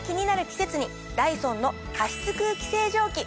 季節にダイソンの加湿空気清浄機。